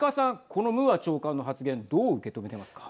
このムーア長官の発言どう受け止めてますか。